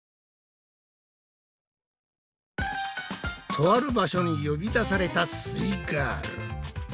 とある場所に呼び出されたすイガール。